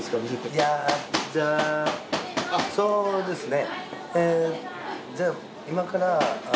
いやぁじゃあそうですね。